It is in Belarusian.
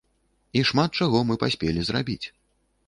І шмат чаго мы паспелі зрабіць.